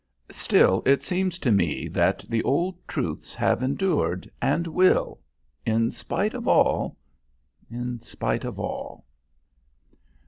Still, it seems to me that the old truths have endured, and will in spite of all in spite of all."